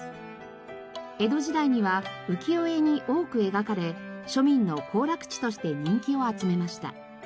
江戸時代には浮世絵に多く描かれ庶民の行楽地として人気を集めました。